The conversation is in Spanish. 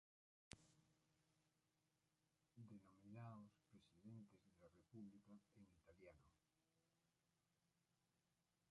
Denominados "presidente della Repubblica", en italiano.